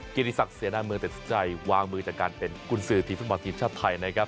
กิจิศักดิ์เสนาเมืองตัดสินใจวางมือจากการเป็นกุญสือทีมฟุตบอลทีมชาติไทยนะครับ